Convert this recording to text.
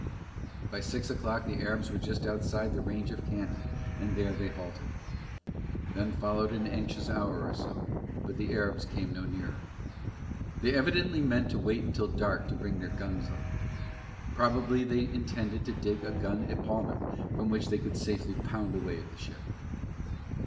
By six o'clock the Arabs were just outside the range of cannon and there they halted. Then followed an anxious hour or so, but the Arabs came no nearer. They evidently meant to wait till dark to bring their guns up. Probably they intended to dig a gun epaulment from which they could safely pound away at the ship.